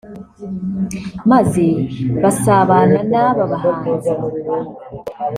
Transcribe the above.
maze basabana n’aba bahanzi